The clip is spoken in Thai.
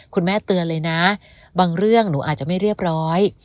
คุณแม่เตือนเลยนะบางเรื่องหนูอาจจะไม่เรียบร้อย